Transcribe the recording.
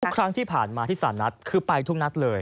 ครั้งที่ผ่านมาที่สารนัดคือไปทุกนัดเลย